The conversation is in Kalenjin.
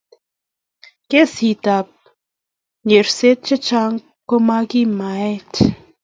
kesit ab nyerset che chang komakimaet